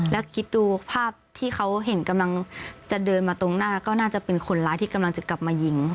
แล้วคิดดูภาพที่เขาเห็นกำลังจะเดินมาตรงหน้าก็น่าจะเป็นคนร้ายที่กำลังจะกลับมายิง